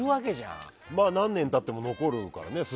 って何年経っても残るからね。